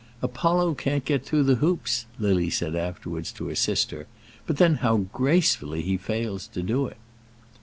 "Apollo can't get through the hoops," Lily said afterwards to her sister; "but then how gracefully he fails to do it!"